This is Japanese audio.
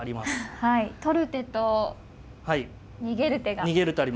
取る手と逃げる手が。